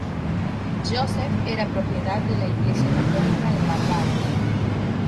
Joseph era propiedad de la Iglesia católica en Barbados.